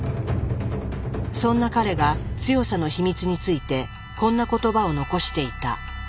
そんな彼が強さの秘密についてこんな言葉を残していた。